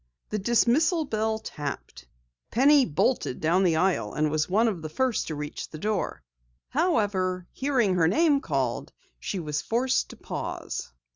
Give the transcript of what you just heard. The dismissal bell tapped. Penny bolted down the aisle and was one of the first to reach the door. However, hearing her name called, she was forced to pause.